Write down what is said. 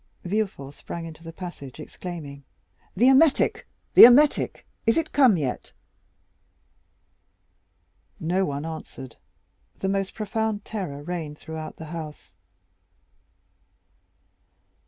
Villefort sprang into the passage, exclaiming, "The emetic! the emetic!—is it come yet?" No one answered. The most profound terror reigned throughout the house.